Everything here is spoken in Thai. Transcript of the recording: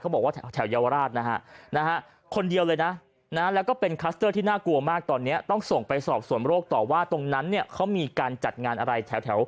บอกว่าแถวเยาวราชนะฮะคนเดียวเลยนะแล้วก็เป็นคัสเตอร์ที่น่ากลัวมากตอนนี้ต้องส่งไปสอบส่วนโรคต่อว่าตรงนั้นเนี่ยเขามีการจัดงานอะไรแถว